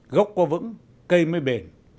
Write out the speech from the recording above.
gốc qua vững cây mới bền